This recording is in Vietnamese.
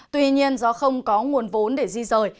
tuy nhiên do không có nguồn vốn để di rời